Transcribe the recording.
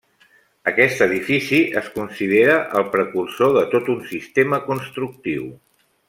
Aquest edifici es considera el precursor de tot un sistema constructiu.